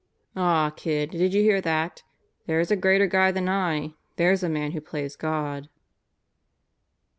"Ah, kid, did you hear that? There's a greater guy than I. There's a man who plays God."